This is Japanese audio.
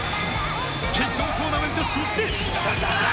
決勝トーナメント進出へ！